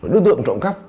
đối tượng trộm cắp